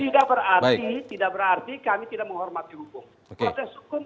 tidak berarti tidak berarti kami tidak menghormati umum